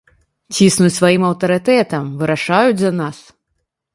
Ціснуць сваім аўтарытэтам, вырашаюць за нас.